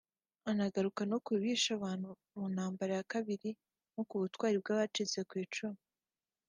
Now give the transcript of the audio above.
Anagaruka ku bishe abantu mu ntambara ya kabiri y’Isi no ku butwari bw’abacitse ku icumu